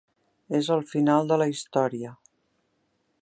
És el final de la història.